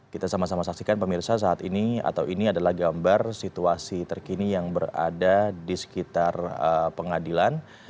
kita sama sama saksikan pemirsa saat ini atau ini adalah gambar situasi terkini yang berada di sekitar pengadilan